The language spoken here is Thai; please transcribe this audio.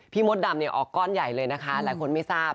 มดดำเนี่ยออกก้อนใหญ่เลยนะคะหลายคนไม่ทราบ